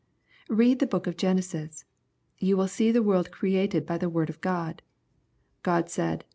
Read the book of Genesis. You will see the world created by the word of God :* God said.